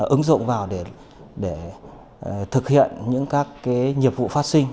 ứng dụng vào để thực hiện những các nhiệm vụ phát sinh